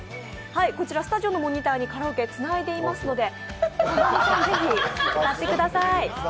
こちらスタジオのモニターにカラオケつないでいますので、ぜひ、歌ってください。